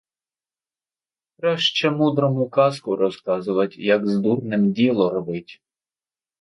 Краще мудрому казку розказувать, як з дурнем діло робить.